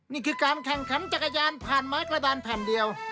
นี่คือการแข่งขันจักรยานผ่านไม้กระดานแผ่นเดียว